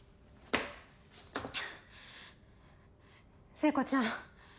聖子ちゃん